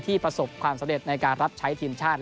ประสบความสำเร็จในการรับใช้ทีมชาติ